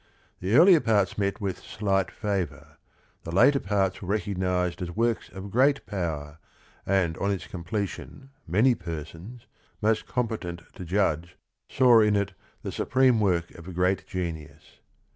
The earlier parts met with slight favor; the later parts were recognized as works of great power, and on its completion many persons, most competent to judge, saw in it the supreme work of a great genius.